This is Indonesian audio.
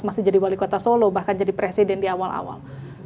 masih jadi wali kota solo bahkan jadi presiden di awal awal